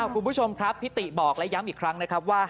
คุณผู้ชมครับพิติบอกและย้ำอีกครั้งนะครับว่า